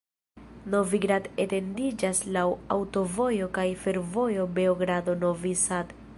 Novi Grad etendiĝas laŭ aŭtovojo kaj fervojo Beogrado-Novi Sad.